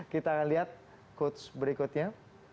kita akan lihat coach berikutnya